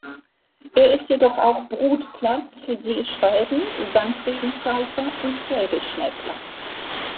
Er ist jedoch auch Brutplatz für Seeschwalben, Sandregenpfeifer und Säbelschnäbler.